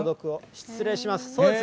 失礼します。